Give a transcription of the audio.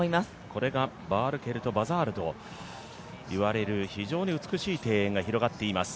これがヴァールケルト・バザールといわれる非常に美しい庭園が広がっています。